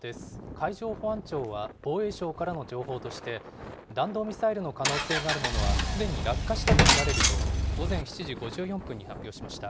海上保安庁は、防衛省からの情報として、弾道ミサイルの可能性があるものは、すでに落下したと見られると、午前７時５４分に発表しました。